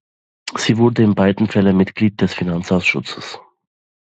Sie wurde in beiden Fällen Mitglied des Finanzausschusses.